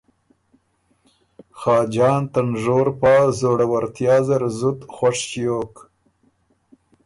خاجان ته نژور پا زوړوَرتیا زر زُت خوش ݭیوک